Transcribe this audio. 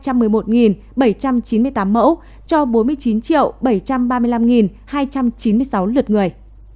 một mươi bảy hai trăm một mươi một bảy trăm chín mươi tám mẫu cho bốn mươi chín bảy trăm ba mươi năm hai trăm chín mươi sáu lượt người